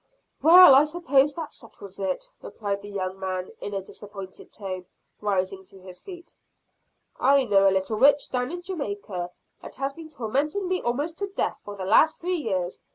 "Well I suppose that settles it," replied the young man in a disappointed tone, rising to his feet. "I know a little witch down in Jamaica, that has been tormenting me almost to death for the last three years.